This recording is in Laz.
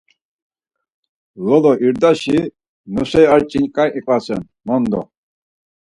Lolo irdasi nosyari a ç̌inǩa iyasen mondo.